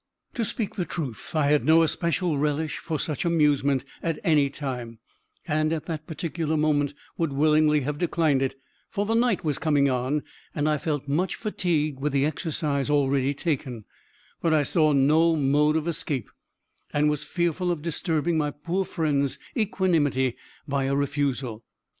To speak the truth, I had no especial relish for such amusement at any time, and, at that particular moment, would willingly have declined it; for the night was coming on, and I felt much fatigued with the exercise already taken; but I saw no mode of escape, and was fearful of disturbing my poor friend's equanimity by a refusal.